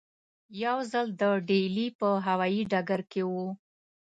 یو ځل د ډیلي په هوایي ډګر کې وو.